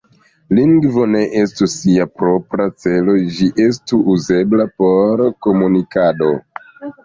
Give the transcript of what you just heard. Lingvo ne estu sia propra celo, ĝi estu uzebla por komunikado.